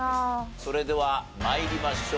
それでは参りましょう。